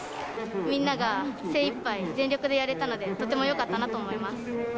みんなが精いっぱい全力でやれたので、とてもよかったなと思います。